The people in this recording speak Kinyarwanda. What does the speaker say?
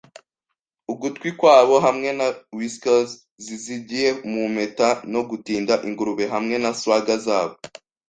ugutwi kwabo, hamwe na whiskers zizingiye mu mpeta, no gutinda ingurube, hamwe na swagger zabo,